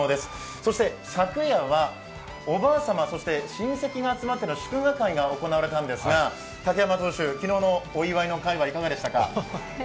そして、昨夜は、おばあさまそして親戚が集まっての祝賀会が行われたんですが、竹山投手、昨日のお祝いの会はいかがでしたか？